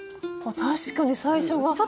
確かに最初が。